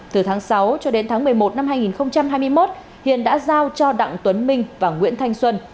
từ tháng sáu cho đến tháng một mươi một năm hai nghìn hai mươi một hiền đã giao cho đặng tuấn minh và nguyễn thanh xuân